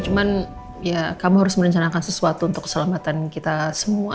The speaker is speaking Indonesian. cuman ya kamu harus merencanakan sesuatu untuk keselamatan kita semua